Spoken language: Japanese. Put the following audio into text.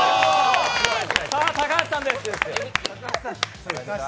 さあ、高橋さんです。